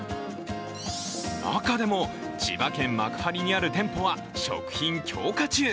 中でも、千葉県幕張にある店舗は食品強化中。